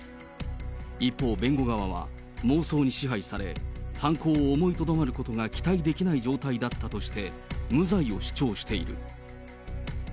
一方、弁護側は妄想に支配され、犯行を思いとどまることが期待できない状態だったとして、無罪を主張している。